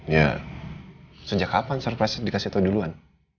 ya sejak kapan surprise dikasih tahu duluan